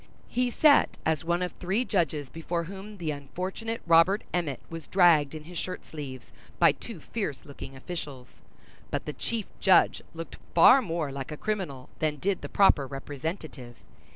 He sat as one of three judges before whom the unfortunate Robert Emmet was dragged in his shirt sleeves, by two fierce looking officials; but the chief judge looked far more like a criminal than did the proper representative.